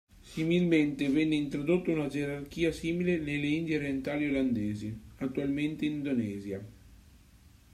Similmente venne introdotto una gerarchia simile nelle Indie Orientali Olandesi, attualmente Indonesia.